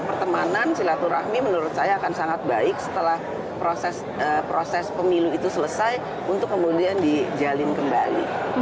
pertemanan silaturahmi menurut saya akan sangat baik setelah proses pemilu itu selesai untuk kemudian dijalin kembali